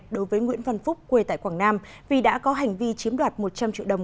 đối với nguyễn văn phúc quê tại quảng nam vì đã có hành vi chiếm đoạt một trăm linh triệu đồng